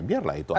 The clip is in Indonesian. biar lah itu